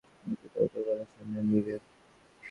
বাকিটা ওপরওয়ালা সামলে নিবে।